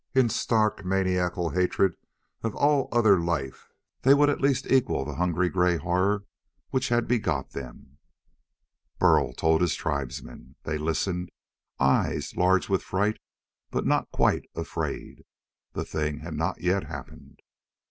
In stark, maniacal hatred of all other life they would at least equal the huge gray horror which had begot them. Burl told his tribesmen. They listened, eyes large with fright but not quite afraid. The thing had not yet happened.